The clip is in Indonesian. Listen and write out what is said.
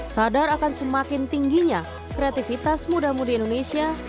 sadar akan semakin tingginya kreativitas muda muda indonesia